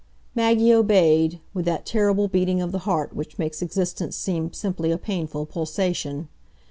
Maggie obeyed, with that terrible beating of the heart which makes existence seem simply a painful pulsation.